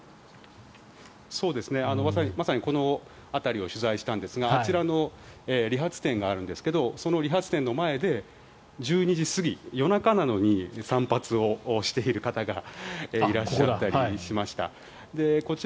まさにこの辺りを取材したんですがあちらの、理髪店があるんですがその理髪店の前で１２時過ぎ、夜中なのに散髪をしている方がいらっしゃったりしました。